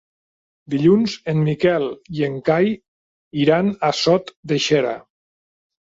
Dilluns en Miquel i en Cai iran a Sot de Xera.